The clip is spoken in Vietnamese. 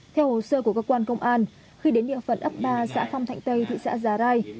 theo hồ sơ của cơ quan công an khi đến địa phận ấp ba xã phong thạnh tây thị xã giá rai